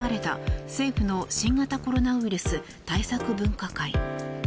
昨日開かれた、政府の新型コロナウイルス対策分科会。